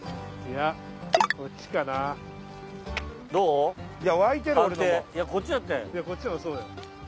やこっちもそうよ。